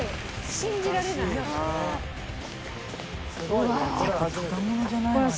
信じられないです。